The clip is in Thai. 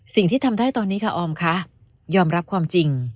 สิ่งที่ทำได้ตอนนี้ค่ะออมคะยอมรับความจริง